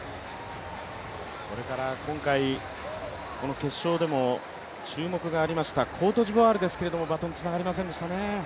それから今回、この決勝でも注目がありましたコートジボワールですけれどもバトンつながりませんでしたね。